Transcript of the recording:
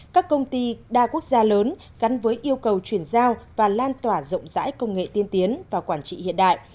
các công ty đa quốc gia lớn gắn với yêu cầu chuyển giao và lan tỏa rộng rãi công nghệ tiên tiến và quản trị hiện đại